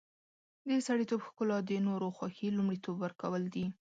د سړیتوب ښکلا د نورو خوښي لومړیتوب ورکول دي.